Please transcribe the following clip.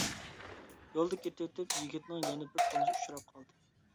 يولدا كېتىۋېتىپ يىگىتنىڭ يەنە بىر تونۇشى ئۇچراپ قالدى.